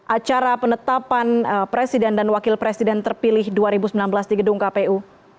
acara penetapan presiden dan wakil presiden terpilih dua ribu sembilan belas di gedung kpu